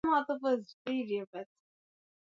Eire mwaka elfu moja mia nane themanini